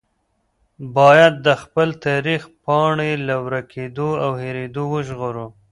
باید د خپل تاریخ پاڼې له ورکېدو او هېرېدو وژغورو.